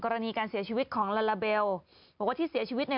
กรณีการเสียชีวิตของลาลาเบลบอกว่าที่เสียชีวิตเนี่ย